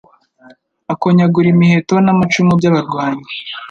akonyagura imiheto n’amacumu by’abarwanyi